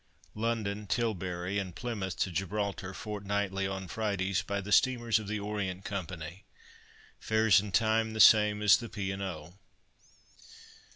5. London (Tilbury) and Plymouth to Gibraltar, fortnightly, on Fridays, by the steamers of the "Orient Co." Fares and time the same as the "P. & O."